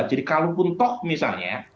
jadi kalau pun tok misalnya